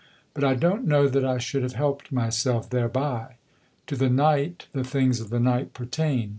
But I don't know that I should have helped myself thereby. To the night the things of the night pertain.